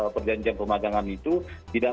perjanjian pemagangan itu tidak